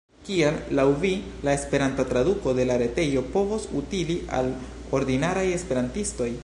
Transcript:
Kial laŭ vi la esperanta traduko de la retejo povos utili al ordinaraj esperantistoj?